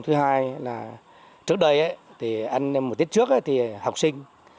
thứ hai là trước đây thì ăn một tiết trước thì học sinh